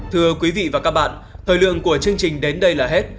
thưa quý vị và các bạn thời lượng của chương trình đến đây là hết